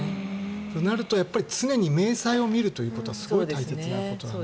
そうなると常に明細を見るということはすごい大切なことだなと。